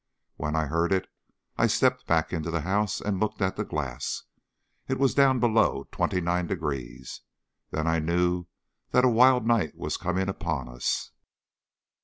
When I heard it I stepped back into the house and looked at the glass. It was down below 29 degrees. Then I knew that a wild night was coming upon us.